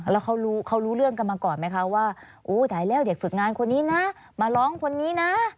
แล้วเขารู้เขารู้เรื่องกันมาก่อนไหมคะว่าโอ้ตายแล้วเด็กฝึกงานคนนี้นะมาร้องคนนี้นะ